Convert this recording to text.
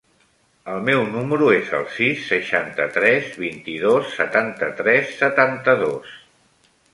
El meu número es el sis, seixanta-tres, vint-i-dos, setanta-tres, setanta-dos.